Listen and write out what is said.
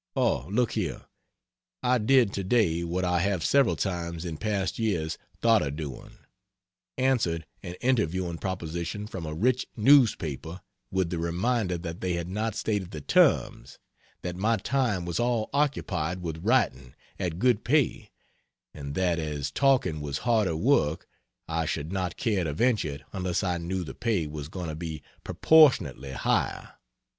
Oh, look here I did to day what I have several times in past years thought of doing: answered an interviewing proposition from a rich newspaper with the reminder that they had not stated the terms; that my time was all occupied with writing, at good pay, and that as talking was harder work I should not care to venture it unless I knew the pay was going to be proportionately higher.